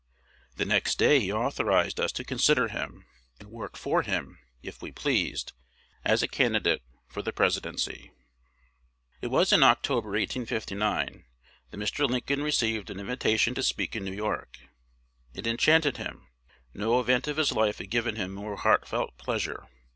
The next day he authorized us to consider him, and work for him, if we pleased, as a candidate for the Presidency." It was in October, 1859, that Mr. Lincoln received an invitation to speak in New York. It enchanted him: no event of his life had given him more heartfelt pleasure.